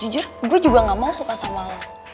jujur gue juga nggak mau suka sama lo